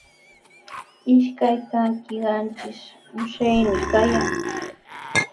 Ishkay trunka qanchis uushami kayan.